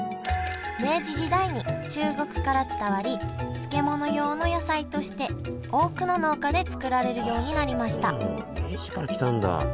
明治時代に中国から伝わり漬物用の野菜として多くの農家で作られるようになりました明治から来たんだ？